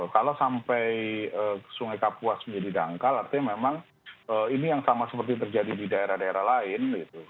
kalau sampai sungai kapuas menjadi dangkal artinya memang ini yang sama seperti terjadi di daerah daerah lain